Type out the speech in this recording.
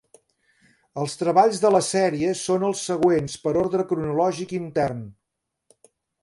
Els treballs de la sèrie són els següents, per ordre cronològic intern.